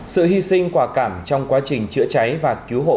sự hy sinh quả cảm trong quá trình chữa cháy và cứu hộ